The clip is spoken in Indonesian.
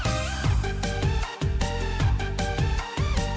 sampai jumpa lagi